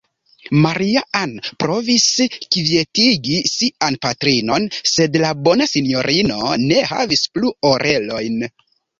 Maria-Ann provis kvietigi sian patrinon, sed la bona sinjorino ne havis plu orelojn.